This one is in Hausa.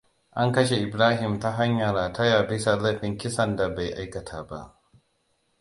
An kashe Ibrahim ta hanyar rataya bisa laifin kisan da bai aikata ba.